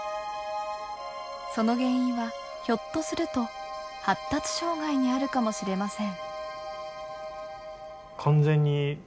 その原因はひょっとすると発達障害にあるかもしれません。